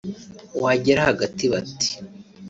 wagera hagati bati